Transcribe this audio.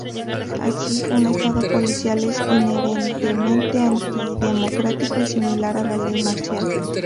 Así, un Estado policial es inherentemente antidemocrático y es similar a la ley marcial.